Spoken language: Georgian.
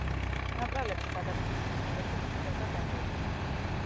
ნაპრალების გადაკვეთის ადგილებში გვხვდება დარბაზები.